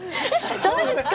そうですか？